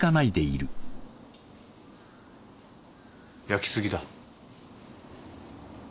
焼きすぎだ。